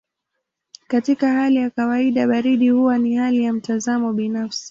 Katika hali ya kawaida baridi huwa ni hali ya mtazamo binafsi.